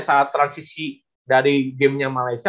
saat transisi dari gamenya malaysia